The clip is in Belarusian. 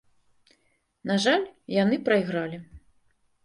На жаль, яны прайгралі.